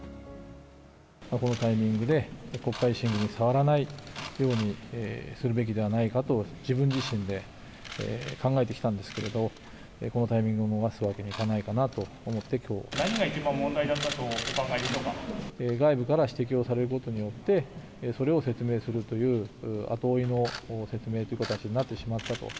このタイミングで国会審議にさわらないようにするべきではないかと、自分自身で考えてきたんですけれど、このタイミングを逃すわけに何が一番問題だったとお考え外部から指摘をされることによって、それを説明するという後追いの説明という形になってしまったと。